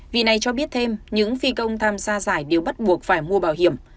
vì này cho biết thêm những phi công tham gia giải đều bắt buộc phải mua bảo hiểm